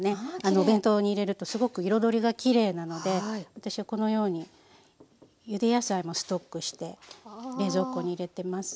お弁当に入れるとすごく彩りがきれいなので私はこのようにゆで野菜もストックして冷蔵庫に入れてます。